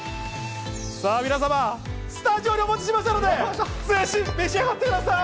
さぁ皆様、スタジオにお持ちしましたので、ぜひ召し上がってください！